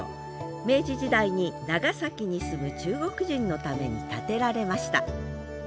明治時代に長崎に住む中国人のために建てられました。